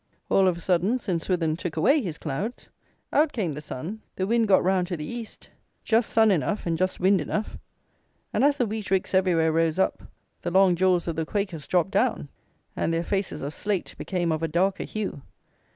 All of a sudden, Saint Swithin took away his clouds; out came the sun; the wind got round to the east; just sun enough and just wind enough; and as the wheat ricks everywhere rose up, the long jaws of the Quakers dropped down; and their faces of slate became of a darker hue.